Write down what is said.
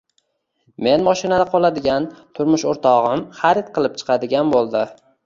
Men mashinada qoladigan, turmush o`rtog`im xarid qilib chiqadigan bo`ldi